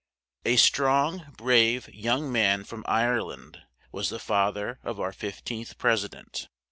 A strong, brave, young man from Ire land was the fa ther of our fif teenth pres i dent.